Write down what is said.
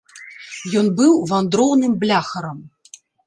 Ён быў вандроўным бляхарам.